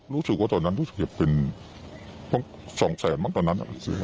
รู้สึกว่าตอนนั้นรู้สึกเก็บเป็น๒แสนมั้งตอนนั้น